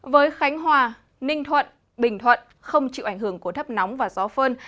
với khánh hòa ninh thuận bình thuận không chịu ảnh hưởng của thấp nóng và gió phơn